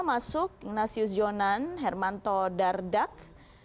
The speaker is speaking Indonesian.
masuk ignasius jonan hermanto dardak